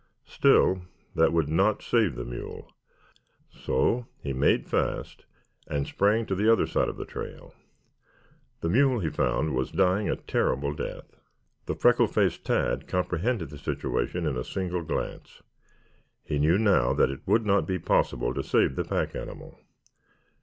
Still, that would not save the mule, so he made fast and sprang to the other side of the trail. The mule, he found, was dying a terrible death. The freckle faced Tad comprehended the situation in a single glance. He knew now that it would not be possible to save the pack animal.